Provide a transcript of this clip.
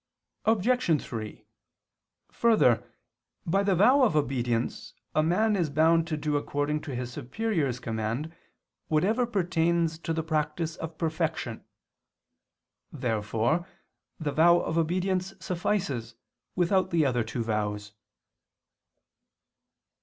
Obj. 3: Further, by the vow of obedience a man is bound to do according to his superior's command whatever pertains to the practice of perfection. Therefore the vow of obedience suffices without the two other vows.